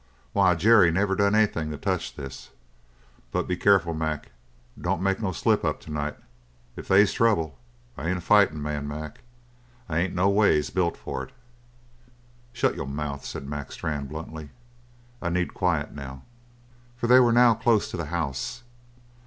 Why, Jerry never done anything to touch this! But be careful, Mac. Don't make no slip up to night. If they's trouble I ain't a fighting man, Mac. I ain't no ways built for it." "Shut your mouth," said Mac Strann bluntly. "I need quiet now." For they were now close to the house.